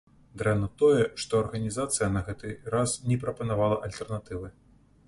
Дрэнна тое, што арганізацыя на гэты раз не прапанавала альтэрнатывы.